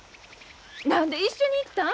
何で一緒に行ったん？